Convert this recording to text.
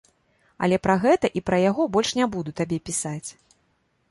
Але пра гэта і пра яго больш не буду табе пісаць.